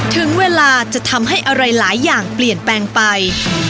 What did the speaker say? ถึงเวลาจะทำให้อะไรหลายอย่างเปลี่ยนแปลงไป